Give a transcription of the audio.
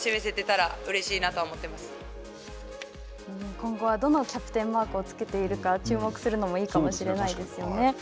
今後はどのキャプテンマークを付けているか注目するのもいいかもしれないですよね。